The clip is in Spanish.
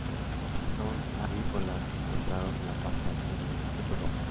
Son arborícolas, encontrados en la parte alta del sotobosque.